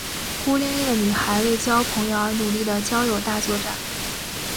孤零零女孩为交朋友而努力的交友大作战。